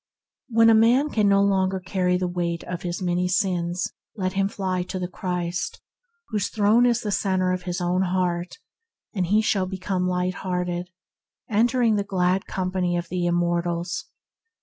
When a man can no longer carry the weight of his many sins, let him fly to the Christ, whose throne is the centre of his own being; and he shall become light hearted, entering the glad company of the im mortals.